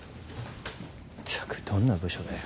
ったくどんな部署だよ。